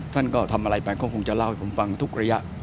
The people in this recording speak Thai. ท่านก็ทำอะไรไปก็คงจะเล่าให้ผมฟังทุกระยะ